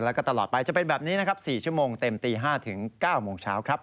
แล้วก็ตลอดไปจะเป็นแบบนี้นะครับ๔ชั่วโมงเต็มตี๕ถึง๙โมงเช้าครับ